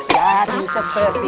ya ya ditinggalin lagi